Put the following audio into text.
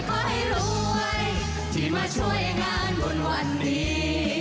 ขอให้รวยขอให้รวยที่มาช่วยงานบุญวันนี้